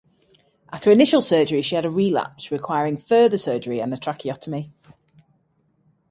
After initial surgery, she had a relapse requiring further surgery and a tracheotomy.